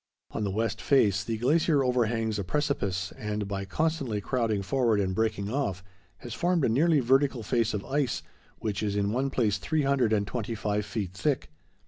On the west face, the glacier overhangs a precipice, and, by constantly crowding forward and breaking off, has formed a nearly vertical face of ice, which is in one place three hundred and twenty five feet thick.